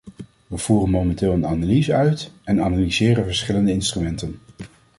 We voeren momenteel een analyse uit en analyseren verschillende instrumenten.